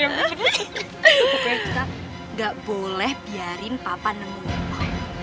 pokoknya kita enggak boleh biarin papa nemuin mami